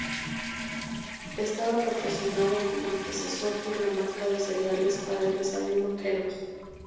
Estaba patrocinada como su antecesor por la marca de cereales para el desayuno Kellogg's.